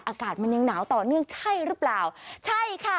อากาศมันยังหนาวต่อเนื่องใช่หรือเปล่าใช่ค่ะ